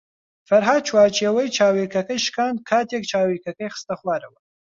فەرھاد چوارچێوەی چاویلکەکەی شکاند کاتێک چاویلکەکەی خستە خوارەوە.